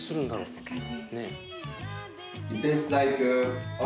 確かに。